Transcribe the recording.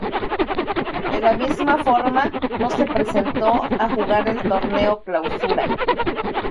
De la misma forma no se presentó a jugar el Torneo Clausura.